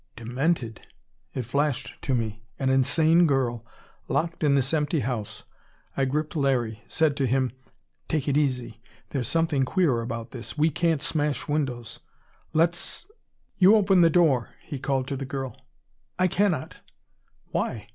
Demented! It flashed to me. An insane girl, locked in this empty house. I gripped Larry; said to him: "Take it easy; there's something queer about this. We can't smash windows. Let's " "You open the door," he called to the girl. "I cannot." "Why?